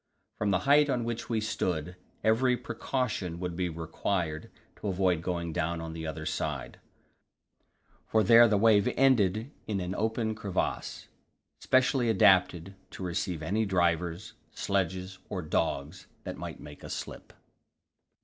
From the height on which we stood, every precaution would be required to avoid going down on the other side; for there the wave ended in an open crevasse, specially adapted to receive any drivers, sledges or dogs that might make a slip.